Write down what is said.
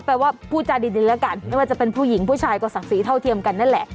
ว่าพูดจาดีแล้วกันไม่ว่าจะเป็นผู้หญิงผู้ชายก็ศักดิ์ศรีเท่าเทียมกันนั่นแหละ